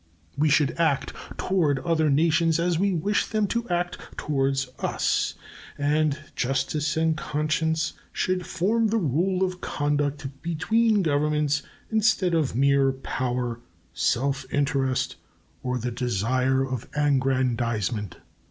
We should act toward other nations as we wish them to act toward us, and justice and conscience should form the rule of conduct between governments, instead of mere power, self interest, or the desire of aggrandizement.